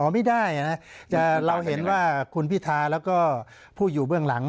ไม่ได้นะเราเห็นว่าคุณพิธาแล้วก็ผู้อยู่เบื้องหลัง